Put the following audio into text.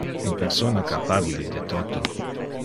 Un persona capabile de toto.